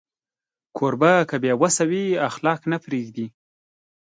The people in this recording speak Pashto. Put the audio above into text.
کوربه که بې وسی وي، اخلاق نه پرېږدي.